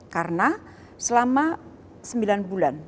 karena selama sembilan bulan